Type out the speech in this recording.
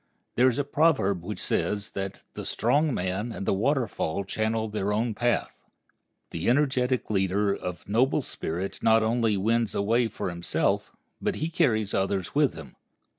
There is a proverb which says that "the strong man and the waterfall channel their own path." The energetic leader of noble spirit not only wins a way for himself, but carries others with him.